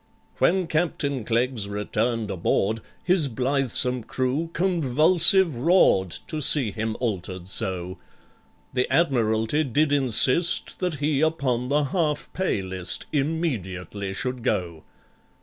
When CAPTAIN CLEGGS returned aboard, His blithesome crew convulsive roar'd, To see him altered so. The Admiralty did insist That he upon the Half pay List Immediately should go.